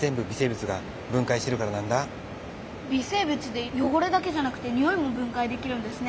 微生物でよごれだけじゃなくてにおいも分解できるんですね？